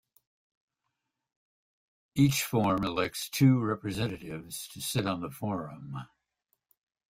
Each form elects two representatives to sit on the forum.